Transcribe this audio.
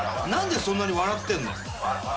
何でそんなに笑ってんの？